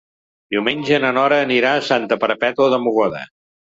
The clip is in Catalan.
Diumenge na Nora anirà a Santa Perpètua de Mogoda.